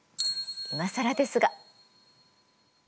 いまさらですが。